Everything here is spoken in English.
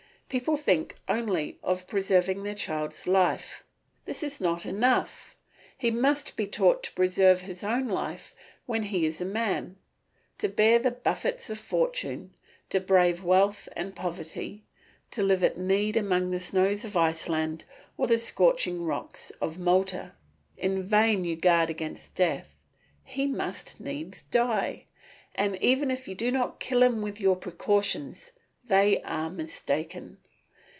People think only of preserving their child's life; this is not enough, he must be taught to preserve his own life when he is a man, to bear the buffets of fortune, to brave wealth and poverty, to live at need among the snows of Iceland or on the scorching rocks of Malta. In vain you guard against death; he must needs die; and even if you do not kill him with your precautions, they are mistaken.